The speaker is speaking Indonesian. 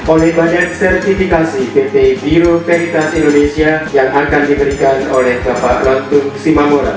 oleh badan sertifikasi pt biro veritas indonesia yang akan diberikan oleh kapal lantun simamura